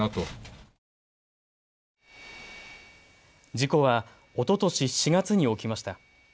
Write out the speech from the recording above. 事故は、おととし４月に起きました。